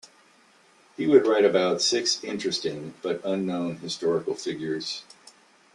He would write about six interesting but unknown historical figures.